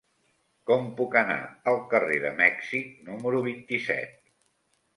Com puc anar al carrer de Mèxic número vint-i-set?